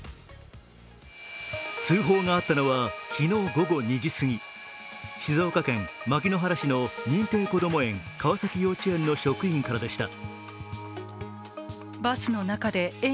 通報があったのは昨日午後２時すぎ、静岡県牧之原市の認定こども園川崎幼稚園の職員からでした。